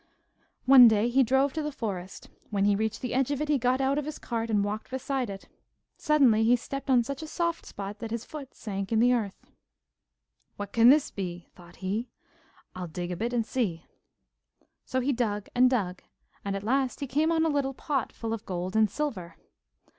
One day, he drove to the forest. When he reached the edge of it he got out of his cart and walked beside it. Suddenly he stepped on such a soft spot that his foot sank in the earth. 'What can this be?' thought he. 'I'll dig a bit and see.' So he dug and dug, and at last he came on a little pot full of gold and silver.